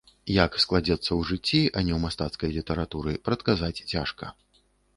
Як складзецца ў жыцці, а не мастацкай літаратуры, прадказаць цяжка.